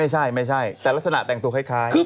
จริงเหรอ